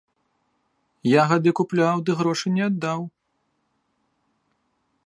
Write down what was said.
Ягады купляў, ды грошы не аддаў.